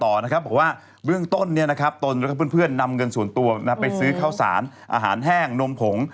บอกว่าเบื้องต้นตนแล้วก็เพื่อนนำเงินส่วนตัวไปซื้อข้าวสารอาหารแห้งนมผง